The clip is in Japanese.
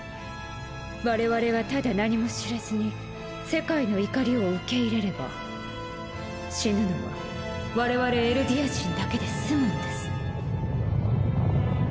我々がただ何も知らずに世界の怒りを受け入れれば死ぬのは我々エルディア人だけで済むのです。